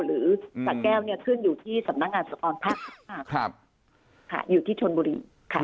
หรือสะแก้วเนี่ยขึ้นอยู่ที่สำนักงานสะทอนภักดิ์อยู่ที่ชนบุรีค่ะ